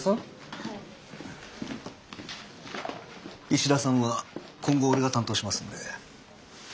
石田さんは今後俺が担当しますんで。